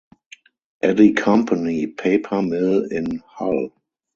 Eddy Company paper mill in Hull.